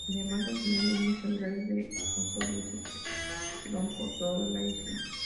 Además de tener líneas regulares de autobuses que van por toda la isla.